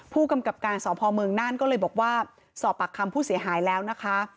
ผู้กำกับการสพเมืองน่านก็เลยบอกว่าสอบปากคำผู้เสียหายแล้วนะคะ